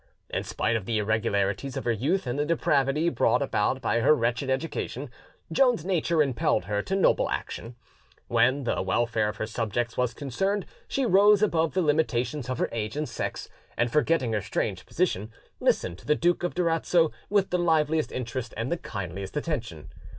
In spite of the irregularities of her youth and the depravity brought about by her wretched education, Joan's nature impelled her to noble action: when the welfare of her subjects was concerned, she rose above the limitations of her age and sex, and, forgetting her strange position, listened to the Duke of Durazzo with the liveliest interest and the kindliest attention.